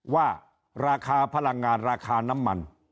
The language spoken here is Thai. ว่าราคาพลังงานราคาน้ำมัน